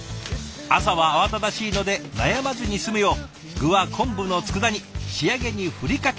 朝は慌ただしいので悩まずに済むよう具は昆布のつくだ煮仕上げにふりかけが定番。